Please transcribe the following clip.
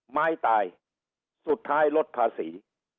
ไม้ตายสุดท้ายลดภาษี